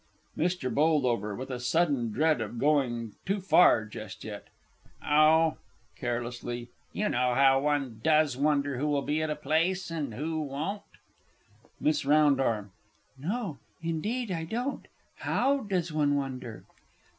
MR. B. (with a sudden dread of going too far just yet). Oh (carelessly), you know how one does wonder who will be at a place, and who won't. MISS R. No, indeed, I don't how does one wonder?